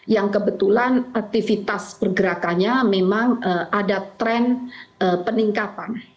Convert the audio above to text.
yang kebetulan aktivitas pergerakannya memang ada tren peningkatan